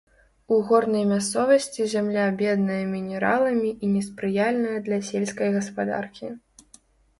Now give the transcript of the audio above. У горнай мясцовасці зямля бедная мінераламі і не спрыяльная для сельскай гаспадаркі.